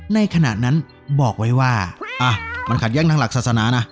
ในขณะนั้นบอกไว้ว่ามันขัดแย้งทางหลักศาสนานะ